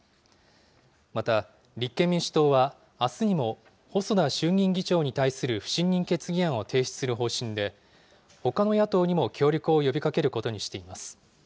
また、立憲民主党は、あすにも細田衆議院議長に対する不信任決議案を提出する方針で、ほかの野党にも協力を呼びかけることにしています。